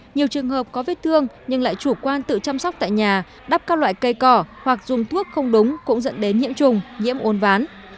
nhiều trường hợp có vết thương nhưng lại chủ quan tự chăm sóc tại nhà đắp các loại cây cỏ hoặc dùng thuốc không đúng cũng dẫn đến nhiễm trùng nhiễm uốn ván